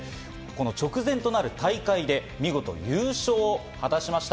直前となる大会で見事、優勝を果たしました。